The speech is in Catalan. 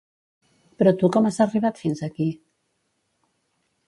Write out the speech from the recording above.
Però tu com has arribat fins aquí?